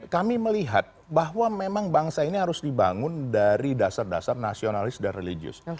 kami melihat bahwa memang bangsa ini harus dibangun dari dasar dasar nasionalis dan religius